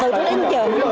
từ trước đến giờ